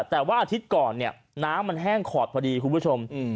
แต่ว่าอาทิตย์ก่อนเนี่ยน้ำมันแห้งขอดพอดีคุณผู้ชม